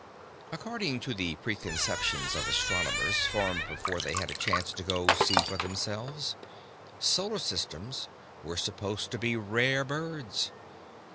According to the preconceptions of astronomers, formed before they had a chance to go see for themselves, solar systems were supposed to be rare birds.